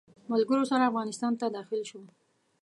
ملګرو سره افغانستان ته داخل شو.